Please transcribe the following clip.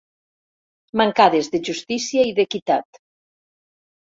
Mancades de justícia i d'equitat.